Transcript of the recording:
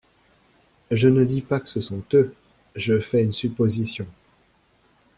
Je ne dis pas que ce sont eux, je fais une supposition.